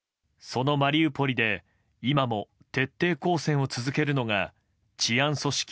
そのマリウポリで今も徹底抗戦を続けるのが治安組織